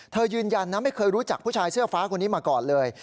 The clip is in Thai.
ยืนยันนะไม่เคยรู้จักผู้ชายเสื้อฟ้าคนนี้มาก่อนเลย